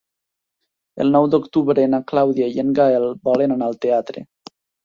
El nou d'octubre na Clàudia i en Gaël volen anar al teatre.